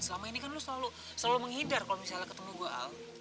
selama ini kan lo selalu menghidar kalau misalnya ketemu gue al